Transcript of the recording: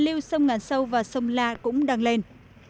hạ liêu sông ngàn sâu đang xuống trong khi lũ thượng liêu sông ngàn phố lại lên